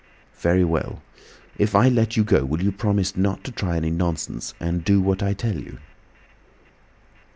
Very well. If I let you go will you promise not to try any nonsense and do what I tell you?"